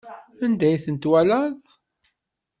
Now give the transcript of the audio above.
Anda ay ten-twalaḍ?